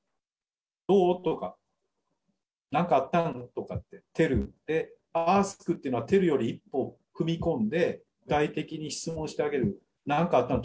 どう？とか、なんかあったん？とか、テルで、アスクっていうのは、テルより一歩踏み込んで、具体的に質問してあげる、なんかあったの？